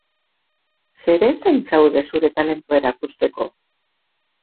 Zeren zain zaude zure talentua erakusteko?